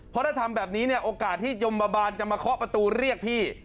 เพราะถ้าทำแบบนี้เนี่ยโอกาสที่ยมบาบาลจะมาเคาะประตูเรียกพี่